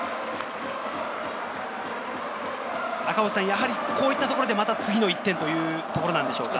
やはりこういったところで次の１点というところなんでしょうか？